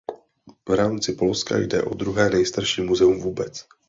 V rámci Polska jde o druhé nejstarší muzeum vůbec.